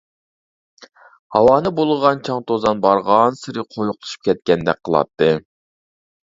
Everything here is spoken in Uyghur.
ھاۋانى بۇلغىغان چاڭ-توزان بارغانسېرى قويۇقلىشىپ كەتكەندەك قىلاتتى.